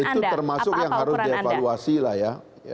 itu termasuk yang harus dievaluasi lah ya